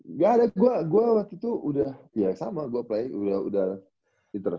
nggak ada gue gue waktu itu udah ya sama gue play udah interest